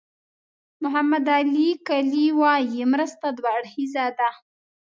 محمد علي کلي وایي مرسته دوه اړخیزه ده.